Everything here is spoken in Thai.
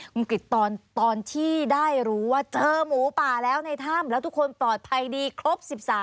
คุณกริจตอนที่ได้รู้ว่าเจอหมูป่าแล้วในถ้ำแล้วทุกคนปลอดภัยดีครบ๑๓